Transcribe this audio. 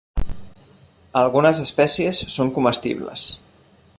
Algunes espècies són comestibles.